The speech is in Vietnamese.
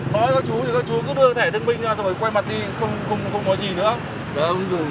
nói cho chú thì các chú cứ đưa thẻ thương binh ra rồi quay mặt đi không nói gì nữa